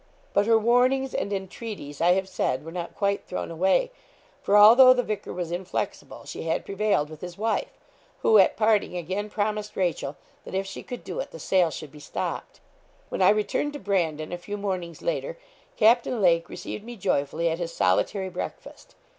But her warnings and entreaties, I have said, were not quite thrown away; for, although the vicar was inflexible, she had prevailed with his wife, who, at parting, again promised Rachel, that if she could do it, the sale should be stopped. When I returned to Brandon, a few mornings later, Captain Lake received me joyfully at his solitary breakfast.